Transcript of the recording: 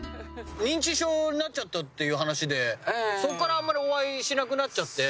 認知症になっちゃったっていう話でそこからあまりお会いしなくなっちゃって。